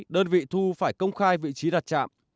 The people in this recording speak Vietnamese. đơn vị thu phải công khai vị trí đặt trạm